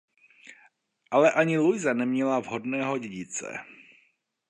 Ale ani Luisa neměla vhodného dědice.